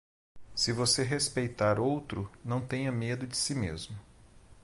Se você respeitar outro, não tenha medo de si mesmo.